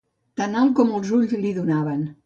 Tan alt com els ulls li'n donaven.